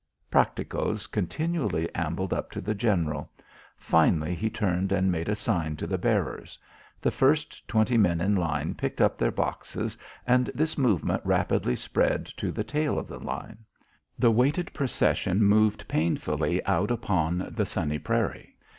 Practicos continually ambled up to the general. Finally he turned and made a sign to the bearers. The first twenty men in line picked up their boxes, and this movement rapidly spread to the tail of the line. The weighted procession moved painfully out upon the sunny prairie.